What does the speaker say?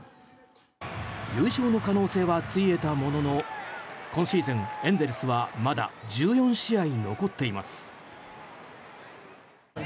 優勝の可能性はついえたものの今シーズン、エンゼルスはまだ１４試合残っています。